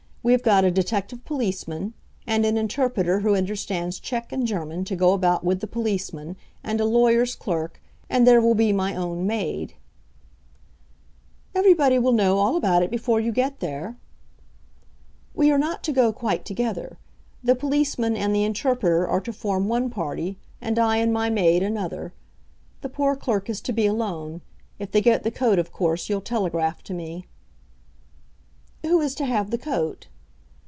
We have got a detective policeman, and an interpreter who understands Czech and German to go about with the policeman, and a lawyer's clerk, and there will be my own maid." "Everybody will know all about it before you get there." "We are not to go quite together. The policeman and the interpreter are to form one party, and I and my maid another. The poor clerk is to be alone. If they get the coat, of course you'll telegraph to me." "Who is to have the coat?"